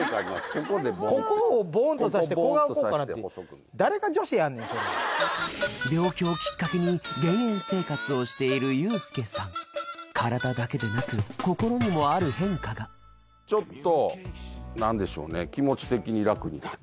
ここでボンここをボンとさせて小顔効果病気をきっかけに減塩生活をしているユースケさん体だけでなく心にもある変化がちょっと何でしょうね